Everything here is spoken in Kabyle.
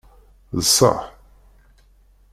D ṣṣeḥ?